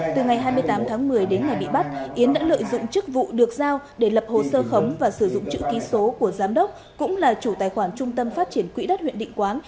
từ ngày hai mươi tám tháng một mươi đến ngày bị bắt yến đã lợi dụng chức vụ được giao để lập hồ sơ khống và sử dụng chữ ký số của giám đốc cũng là chủ tài khoản trung tâm phát triển quỹ đất huyện định quán